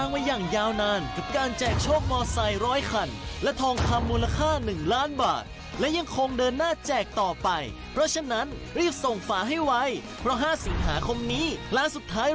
ว้าวเด่นช่วยคนไทยสร้างอาชีพปีศพฤษ